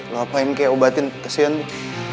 lu ngapain kayak obatin kesian tuh